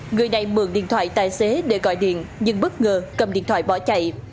người này mượn điện thoại tài xế để gọi điện nhưng bất ngờ cầm điện thoại bỏ chạy